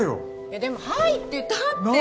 えっでも入ってたって！